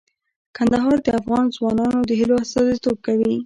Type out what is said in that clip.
کندهار د افغان ځوانانو د هیلو استازیتوب کوي.